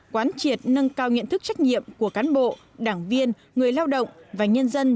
quán triệt nâng cao nhận thức trách nhiệm của cán bộ đảng viên người lao động và nhân dân